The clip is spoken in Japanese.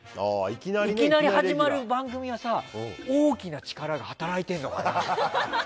いきなり始まる番組は大きな力が働いてるのかな。